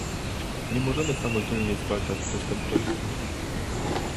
Nie możemy samodzielnie zwalczać przestępczości